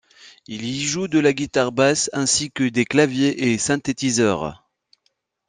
Il y joue de la guitare basse ainsi que des claviers et synthétiseurs.